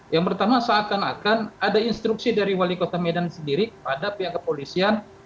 yang pertama seakan akan ada instruksi dari wali kota medan sendiri kepada pihak kepolisian